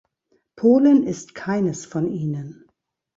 Polen ist keines von ihnen.